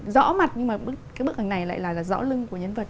rõ mặt nhưng mà bức cái bức ảnh này lại là rõ lưng của nhân vật